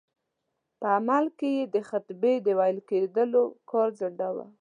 په عمل کې یې د خطبې د ویل کېدلو کار ځنډاوه.